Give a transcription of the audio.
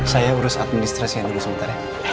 saya urus administrasi yang dulu sebentar ya